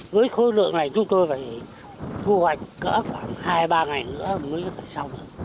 với khối lượng này chúng tôi phải thu hoạch khoảng hai ba ngày nữa mới xong